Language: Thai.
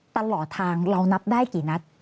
ตลอดทางเรานับได้กี่นัด